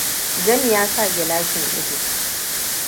Jami ya sa gilashin ido.